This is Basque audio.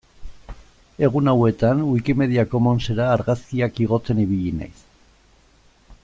Egun hauetan Wikimedia Commonsera argazkiak igotzen ibili naiz.